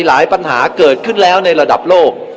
หลายปัญหาเกิดขึ้นแล้วในระดับโลก